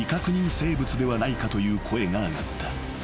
生物ではないかという声が上がった］